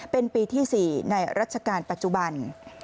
เป็นปีที่๔ในรัชกาลปัจจุบัน